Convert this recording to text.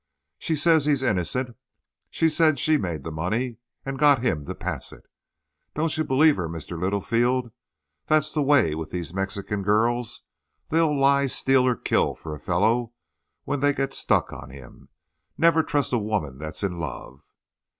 She says he's innocent. She says she made the money and got him to pass it. Don't you believe her, Mr. Littlefield. That's the way with these Mexican girls; they'll lie, steal, or kill for a fellow when they get stuck on him. Never trust a woman that's in love!"